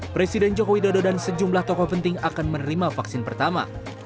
presiden joko widodo dan sejumlah tokoh penting akan menerima vaksin pertama